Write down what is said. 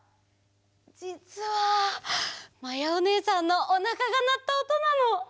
じつはまやおねえさんのおなかがなったおとなの。